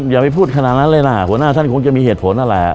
อย่าไปพูดขนาดนั้นเลยนะหัวหน้าท่านคงจะมีเหตุผลนั่นแหละ